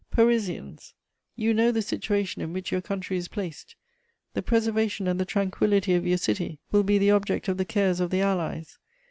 Parisians, you know the situation in which your country is placed: the preservation and the tranquillity of your city will be the object of the cares of the Allies.